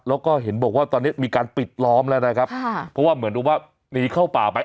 แล้วก็เห็นบอกว่าตอนนี้มีการปิดล้อมแล้วนะครับค่ะเพราะว่าเหมือนกับว่าหนีเข้าป่าไป